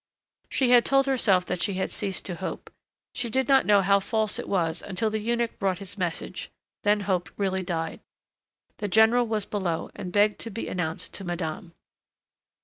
She had told herself that she had ceased to hope. She did not know how false it was until the eunuch brought his message. Then hope really died. The general was below and begged to be announced to madame.